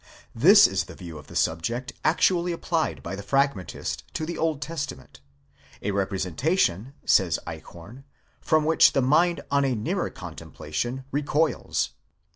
This is the view of the subject actually applied by the Fragmentist to the Old Testament; a representation, says Eichhorn, from which the mind on a nearer contemplation recoils.